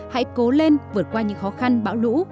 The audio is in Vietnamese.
hãy cố lên vượt qua những khó khăn bão lũ